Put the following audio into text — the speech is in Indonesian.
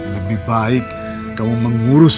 lebih baik kamu mengurus